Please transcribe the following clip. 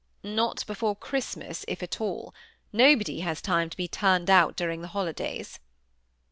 " Not before Christmas, if at all. Nobody has time to be turned out during the holidays."